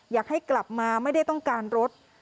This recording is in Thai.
อยากให้กลับมาไม่ได้ต้องการรถ